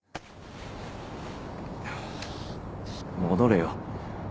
戻れよ。